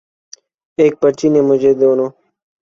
ایک پرچی نے مجھے دونوں